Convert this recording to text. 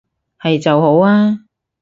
係就好啊